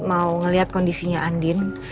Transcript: mau ngeliat kondisinya andin